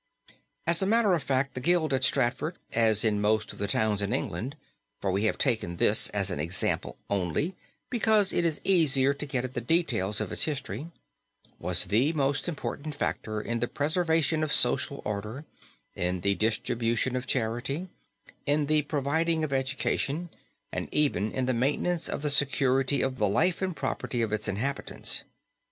As a matter of fact the Guild at Stratford, as in most of the towns in England for we have taken this as an example only because it is easier to get at the details of its history was the most important factor in the preservation of social order, in the distribution of charity, in the providing of education, and even the maintenance of the security of the life and property of its inhabitants.